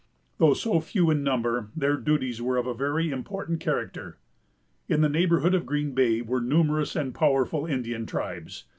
Though so few in number, their duties were of a very important character. In the neighborhood of Green Bay were numerous and powerful Indian tribes.